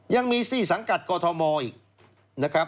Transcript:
ยังมี๔สังกัดกฎธอมอล์อีก